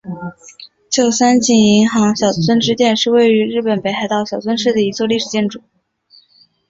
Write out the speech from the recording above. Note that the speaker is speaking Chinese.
旧三井银行小樽支店是位于日本北海道小樽市的一座历史建筑。